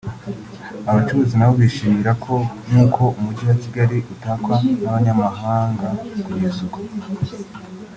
Abacuruzi nabo bishimira ko nk’uko Umujyi wa Kigali utakwa n’abanyamahanga kugira isuku